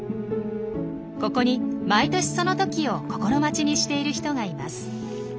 ここに毎年その時を心待ちにしている人がいます。